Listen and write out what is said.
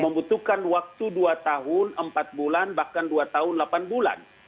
membutuhkan waktu dua tahun empat bulan bahkan dua tahun delapan bulan